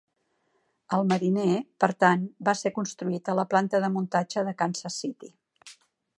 El Mariner, per tant, va ser construït a la planta de muntatge de Kansas City.